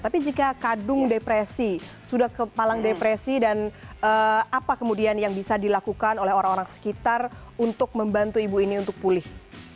tapi jika kadung depresi sudah kepalang depresi dan apa kemudian yang bisa dilakukan oleh orang orang sekitar untuk membantu ibu ini untuk pulih